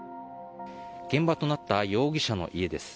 現場となった容疑者の家です。